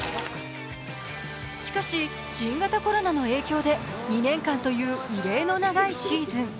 しかし、新型コロナの影響で２年間という異例の長いシーズン。